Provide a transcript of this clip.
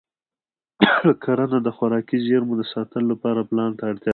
کرنه د خوراکي زېرمو د ساتلو لپاره پلان ته اړتیا لري.